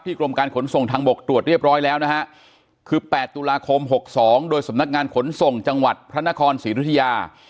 กรมการขนส่งทางบกตรวจเรียบร้อยแล้วนะฮะคือ๘ตุลาคม๖๒โดยสำนักงานขนส่งจังหวัดพระนครศรีรุธยา